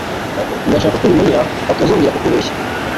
Ndashaka ko ubimenya batazongera kukubeshya